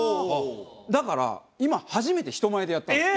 だから今初めて人前でやったんです。